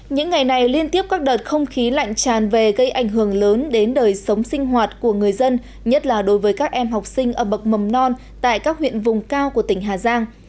những ngày này liên tiếp các đợt không khí lạnh tràn về gây ảnh hưởng lớn đến đời sống sinh hoạt của người dân nhất là đối với các em học sinh ở bậc mầm non tại các huyện vùng cao của tỉnh hà giang